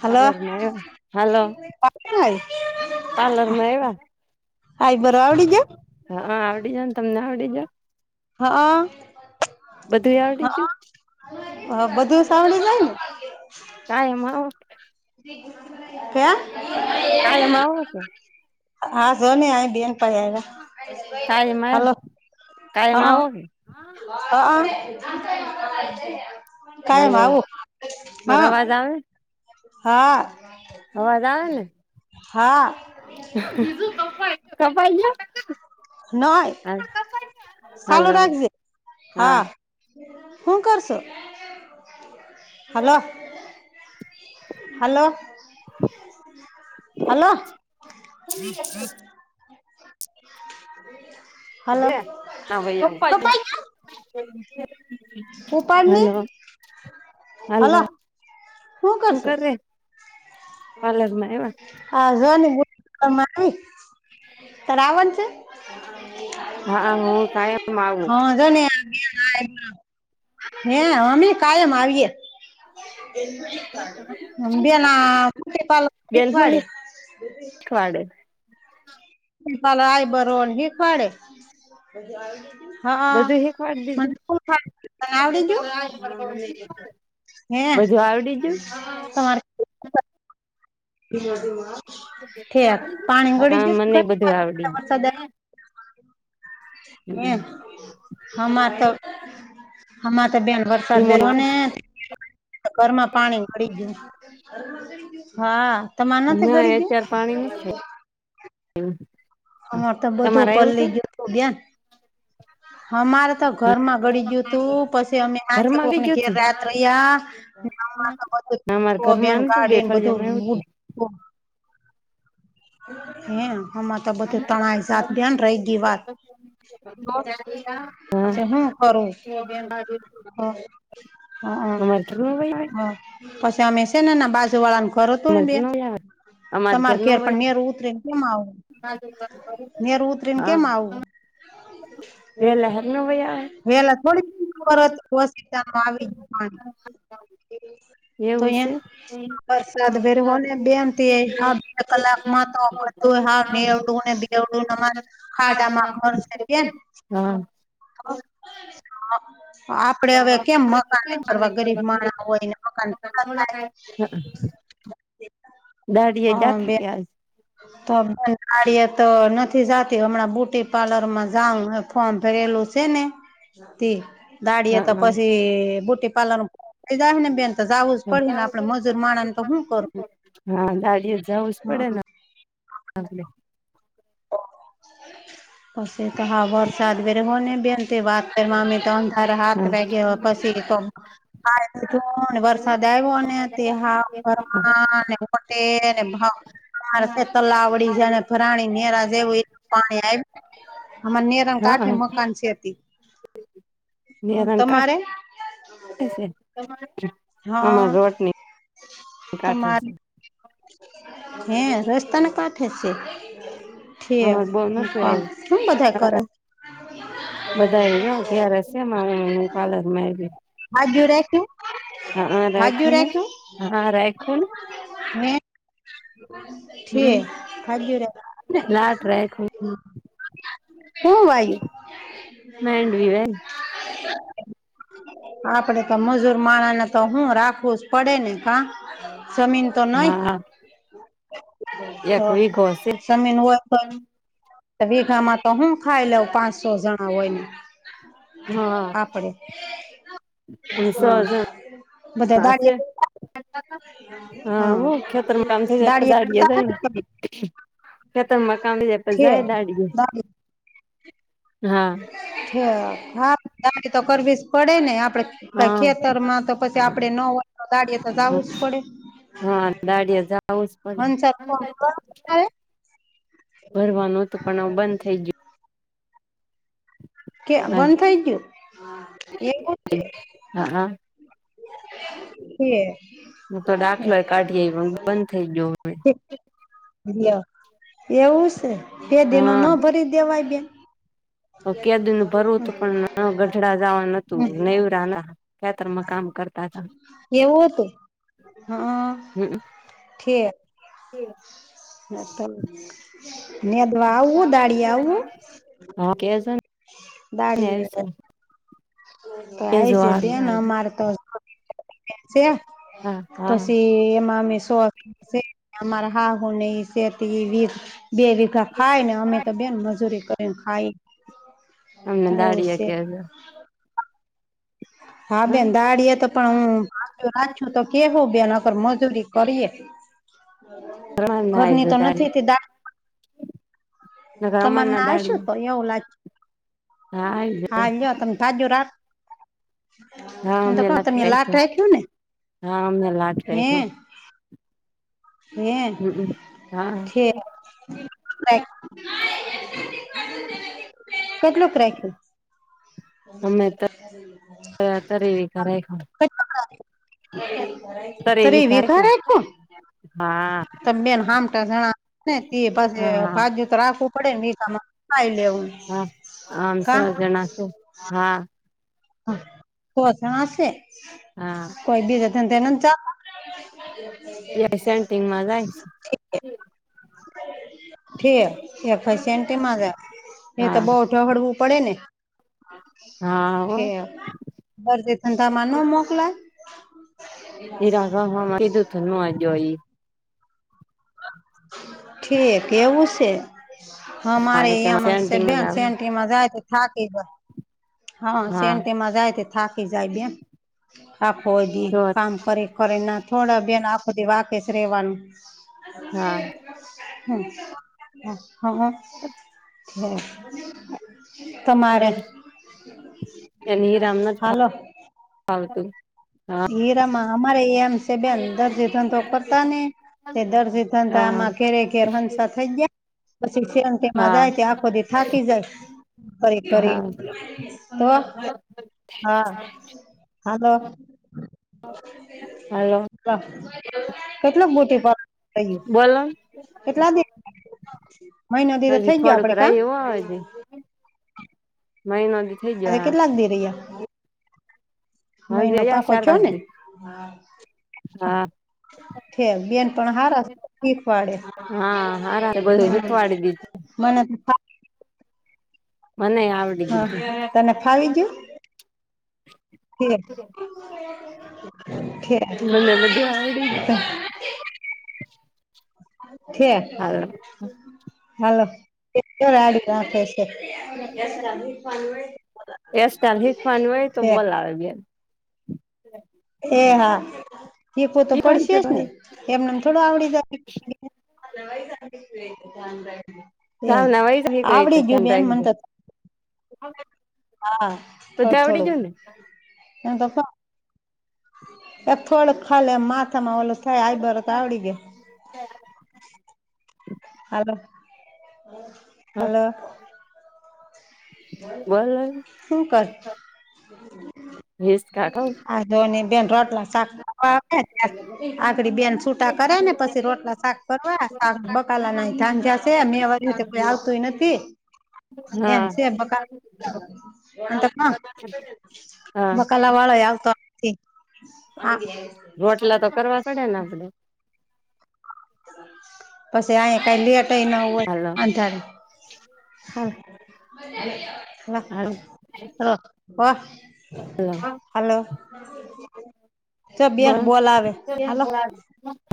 Hello હાલો. [unintelligible] પાર્લરમાં આવવા બરો આવડી હા આવડી જ ને તમને આવડી જા. હા બધું આવડી હા ગયું હ બધું સાંભળી જાય ને ટાઈમ આઉટ ક્યા. કાયમ આવો કે કાયમ હાલો કાયમ હા. આવો કે હ કાયમ હાલો આવું મારો હા અવાજ આવે હા અવાજ હા કપાઈ ગયો. ચાલુ હાલો રાખજે હા. હું કર છો હાલો? હલો હાલો [unintelligible] [unintelligible] કપાઈ ગયો હલો હાલ હલો શું હું કરશે? કરે પાર્લર માં એવા હ જોની તાર આવણ છે? હા હું કાયમ આવું હા. હે અમે કાયમ આવીએે. અબિયા ના પાર્લર શીખવાડે વાડે ફાલ આઈ બરોન હીખવાડે. હઅ બધું શીખવાડી દીધું તને આવડી ગયું? હે બધું આવડી ગયું તમાર ઠેક પાણી ગળી હા ગયુ મને ઘડીક બધું વાર આવડી વરસાદ હે ગયું હમાં તો હમા તો બેન વરસાદ ધીમો વેરો ના ને ઘરમાં પાણી. ગરી ગયું હા તમા મા નથી ગરી ગયું? એવુ હા, તો બધું પલળી ગયુ તું ન્યા. હમારે તો ઘરમાં ગડી ગયું તું પછી અમે હાંજે ઘરમાં બી કોકને ગયું ઘેર તું રાત રહ્યા અમારા બધ બેન ઘરમાં નતું ગયું ગાડીને બધું ફળિયામાં એવું તું હે અમાર તો બધું તણાઈ જાત દે ન રહી ગઈ વાત [unintelligible] અચછા હું કરું હા હા હા અમારે ઘરનું વય આવે અમારે હા પશી અમે શેન એના બાજુવાળાન ઘર હતુંન બે ઘરનું વય આવે અમારે તમાર ઘરનું ઘેર પણ વય નેર ઉતરીને કેમ આવું, નેર ઉતરીને હા કેમ આવું? વેલા ઘરનું વય આવે [unintelligible] વેલા થોડીક કરત વસ તમ આવી હુ આવી. એવું શે. વરસાદ ભેર હોને બેન તે બે [unintelligible] કલાકમાં તો બધું હાવ નેવડું ને બેવડું અમારે [unintelligible] ખાડામાં હાજાના ઘર છે ભરશે બેન કેમ. હા. [unintelligible] આપડે હવે કેમ મકાને એક કરવા ગરીબ માણહ હોયને મકાન પૂરા થાય. દાડીએ હા ગ્યાથા બેન કે આજ? તો દાડીએ તો નથી જાતી હમણાં બ્યુટી પાર્લરમાં જાઉ ફોર્મ ભરેલુ સેને તે. દાડી એ હા તો હા પસી બુટી પાલરમાં [unintelligible] જાઉને બેન ઝાવુ જ પડેન, આપડે મજૂર માણહન તો શું કરવુ? હા [unintelligible] લે પસી તો હા, વરસાદ બેર હોને બેન તે વાત કરવા અમે તનધાર હાથ બેગે હો પસી મારે તે જો ન વરસાદ આવ્યો તે હાફ કરવાને વટેને ભ માર શે તલાવડી હે ને ભરાણી નેરા જેવું એ પાણી આઈવ અમાર નેર એકદમ હા કાઠે હા મકાન છે તી. હમ નેરાણ તમારે? [unintelligible] અમાર હા રોડની કાઠે તમારે શે. હે રસ્તાને કાંઠે શે. અમાર બોઉ નથ ભરાયું કરે અ બધાઈ જાવ ઘેરે શે, ને હુ પાર્લરમાં આઈવી. આજનું રાઈખું. હઅ રાઈખુંને, હઅ રાઈખુંને. મે ને છે, હમ ખાધ્યું લાટ રાખ્યું રાઈખુંને. મેંડવી વેન [unintelligible] [inaudible] આપડે તો મજૂર માણહને તો હું રાખવું જ પડેને કા જમીન તો નઈ હા. તો એક વીઘો શે. જમીન હોય તો વીઘામાં તો હું ખાઈ લેવુ પાંચસો જણા હોયન. હા આપડે સો હન, જણ બધા દાડીયા [unintelligible] હા, હો ખેતરમાં કામ થઈ જાય પશ દાળએ દાડીએ જાય હુ. ખેતરમાં કામ થઈ જાય પશ છે જાય દાડીએ, હા. થ હા, દાડી તો કરવી જ પડેને આપડે હા ખેતરમાં તો પસી આપડે ન હોય તો દાડીએે તો જાવું જ પડે. હા, દાડિયાએ જાવું જ પડે. હંસા ભરવાનું હતુ પણ હવ બંધ થઈ ગયું. કે ગયું બંધ થઈ ગયું, હા એવું તે. [inaudible] હા હા એ હું તો દાખલો એ કાઢી આયવી પણ બંધ થઈ ગયો હવે એવું છે, બે દનું ના ભરી દેવાય બેન. કદી ન ભરવું હતું, પણ ગઢડા જવા નતું, બેન નવરાના ખેતર માં કામ કરતા. હતા એવું હતું. હા, ઠ હમ. હ, તો. નેદવા આવું, દાળી આવવું. હા કેજો દાડી ને આવીશું તો કેજો આય છે, દેને હા અમારે તો હા પછી એમાં અમે સો- - ર હાહુને સ તે બે- - ખાય ને, અમે તો બેન મજૂરી કરીને ખાય અમને એવું દાળિયા છે. કે હા, બેંદાડીએ તો- - પણ હું બા રા છું, તો કેવું બેન, આગર મજૂરી કરીએ. ઘરની તો નથી, દા- - છે અમાર ના આઈ જાય દાળિયા નકર અમાર તરને ના આવશે, તો દાળિયા એવું લાગ હા આઈ હા, તમ હા, જો રાત- - એમ તો ક તમ લાટ જાય રાખ્યો ને હા અમે લાટ રાયખું હા અમે લાટ હે. રાયખું હા, હમમ હા છે. કેટલું ક્રેક અમે તો તરી વીઘા રાયખું [unintelligible] તરી તરે વીઘા રાયખું વિખારખો- - હા તમે બેન હામટા જણા ને, પા હા ભજ રાખવું પડે, તમારે ખ લેવું. હા, આમ સ કા જણા છે, હા. હા, કો તણ આશે. હા. કોઈ બેજના [unintelligible] સ ટિંગમાં જાય છે. ઠી એ પૈસ એન્ટ માજા- [inaudible] એ તો હા બહુ ઠો હળવું પડે ને? હા હો દરતી ધંધામાં ન મોકલાય. એ રાગા હા, કીધું થર ન આજ્યોઈ ઠીક એવું છે. હા, મારે એ કે માર એમાં સેન્ટિંગમાં બેન જાવું સેન્ટીમાં જાય, તો થાકી. હા, સેન્ટમાં જાય, તે થાકી જાય બેન, આખો હોય, દ તો કામ કરી. ના, થોડા બેન આખોથી વાકે છે રેવાનું. હા હમ, હ. તમારે અને હ, રામનાથ હાલો. ફાલતું. હીરામાં અમારે એમ છે, બેન દરદી ધંધો કરતા ને. તે દર્શ તતા હા આમાં ઘેરે ઘેર હંસા થઈ જાય. પછી શેણ તેમાં હા જાય તે, આખો દ થાકી જાય. હા કરીરી કરી, તો હા, હલો. હાલો કેટલા મોટી પ બોલો કેટલા દિવ મહિના દીરે હજી થઈ ગયો થોડુંક આપડે કામ? રહ્યું નહી. અઆજે કે લગી રહીએ? હસર પાકો છો ને શારસદી હા. છે બેન પણ હાર શીખ વાડે હ હા હારા બધું શીખવાડી દીધું મને મને આવડી ગયું હા તને ફાવી ગયું? બધું મને બધું આવડી ગયું [unintelligible] છે હાલો હાલો [unintelligible] [unintelligible] અ [unintelligible] એ હા હીખુ તો શીખવાનું પડશે છે જ ને તમારે એમનેમ થોડ આવડી જા એ સાવના વહી શીખવી હોય તો આવડી ગયું ધ્યાન બેન રાખજો મન ત હા બધું થોડું આવડી ગયું ને થોડું તો એ થોડક ખાલી એમ માથામાં ઓલો થાય આયબર તો આવડી ગયા. હલો હા હલો. બોલો શું કર? હિચકા ખાવ આ જોની બેન રોટલા શાક આગડી બેન સુ કરે ને પછી રોટલા શાક કરવા બકાલા ના ધાન જશે મે વા આવ તું નથી હા તે બકા અ હા બકાલા વાળા આવ તો હા રોટલા તો કરવા પડે ને. પછી આહી કઈ લેટય ન હોય હાલો અંધાર હા હા ર વાહ [unintelligible] હલો ચ બેન બોલાવે હાલો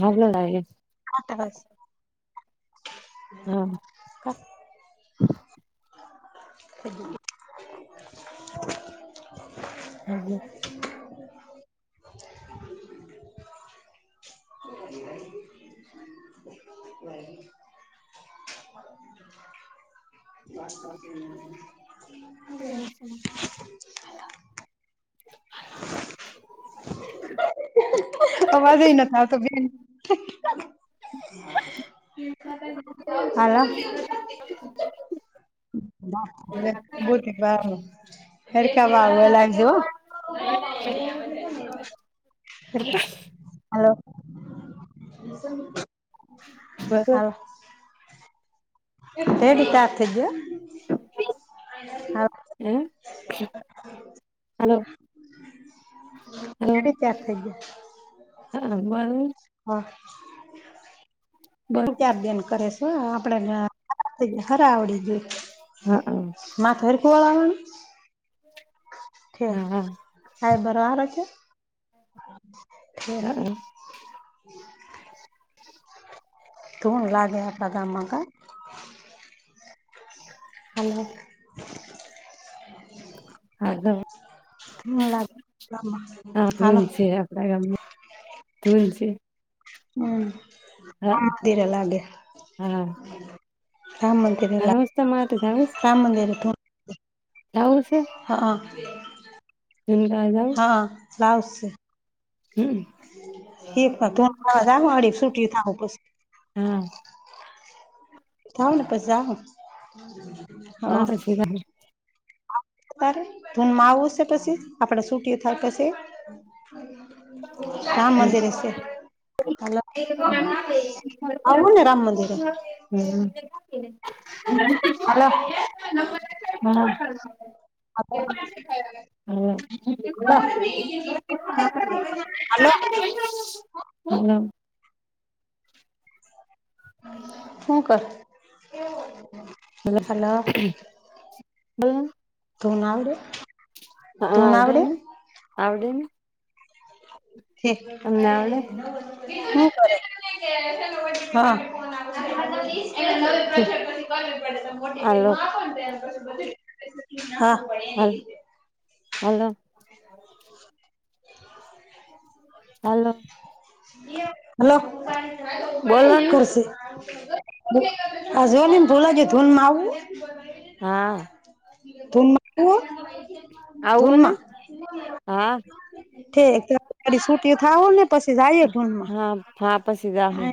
હાલ લાગે હ તો હસ હા [unintelligible] [unintelligible] હમ હ [unintelligible] [unintelligible] [unintelligible] [unintelligible] અવાજ એય નથ આવતો બેન [unintelligible] હાલો. [unintelligible] [unintelligible] હલો [unintelligible] [unintelligible] [unintelligible] તાર થઈ હે હલો હલો ગયા હા બરોબર હા બરો તાયાર બેન કરે છે આપડેને હરાવડી જોઈ હા હા હાથે સરખો ઓળા છે હા હા હ બરો હર હમ હા [unintelligible] તોડ લાગે આપલા ગામમાં ક હલો [unintelligible] [unintelligible] હા તુંન છે આપડા ગામમાં તુંન છે હ હા મંદીરે લાગે હા રામ જાવું છે તમારે તો [unintelligible] જાઉ છે હા ધૂન ગાવા જાવું હ [unintelligible] હમ એકમાં તુ [unintelligible] હા થઉને પછ જાહુ [inaudible] તારે ધૂનમાં આવું હશે પછી આપડે સુટી થાય પછી રામ હમ મંદિર શે હલો આવુંને રામ મંદિરે હમ હાલો હા [inaudible] હાલો હ [unintelligible] હાલો હલો [inaudible] હું કરે? હ હ [unintelligible] ધૂન આવડે હા ધૂન આવડે? ને આવડે ને હ હમ [inaudible] તમને આવડે હલો હા [inaudible] [inaudible] [inaudible] હા હેલો હાલો હલો બોલો [unintelligible] ને કરશે આ [inaudible] ધૂનમાં આવવું હા [unintelligible] આવું હે ને ધૂનમાં હા ઠેક તારી છુટી થાવ ને પછી જાયએ ધૂનમાં. હા હા પછી જાહું